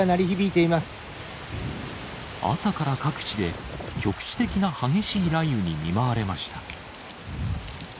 朝から各地で、局地的な激しい雷雨に見舞われました。